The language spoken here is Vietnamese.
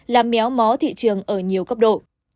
làm méo mó thị trường ở nhiều cấp độ